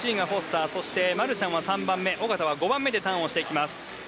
マルシャンは３番目小方は５番目でターンしていきます。